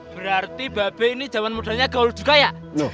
berarti babe ini zaman mudanya gaul juga ya